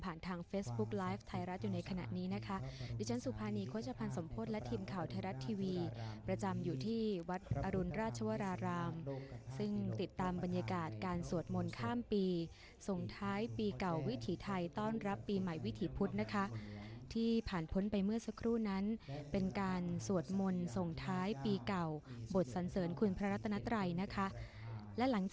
อักษะภาษิโขอักษะภาษิโขอักษะภาษิโขอักษะภาษิโขอักษะภาษิโขอักษะภาษิโขอักษะภาษิโขอักษะภาษิโขอักษะภาษิโขอักษะภาษิโขอักษะภาษิโขอักษะภาษิโขอักษะภาษิโขอักษะภาษิโขอักษะภาษ